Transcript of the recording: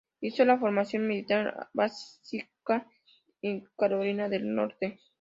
Hizo la formación militar básica en Carolina del Norte.